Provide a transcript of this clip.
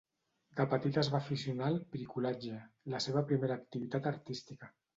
De petit es va aficionar al "bricolatge", al seva primera activitat artística.